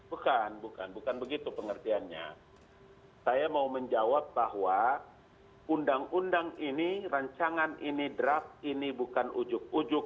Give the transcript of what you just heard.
bukan bukan bukan begitu pengertiannya saya mau menjawab bahwa undang undang ini rancangan ini draft ini bukan ujuk ujuk